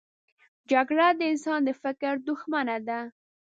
جګړه د انسان د فکر دښمنه ده